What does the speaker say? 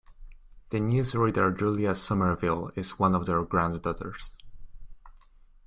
The news reader Julia Somerville is one of their granddaughters.